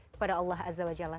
kepada allah azza wa jalla